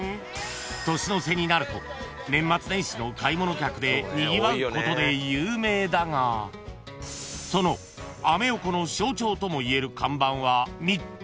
［年の瀬になると年末年始の買い物客でにぎわうことで有名だがそのアメ横の象徴ともいえる看板は３つ］